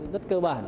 rất cơ bản